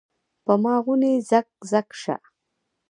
پۀ ما غونے زګ زګ شۀ ـ